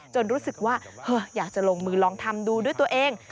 รู้สึกว่าอยากจะลงมือลองทำดูด้วยตัวเอง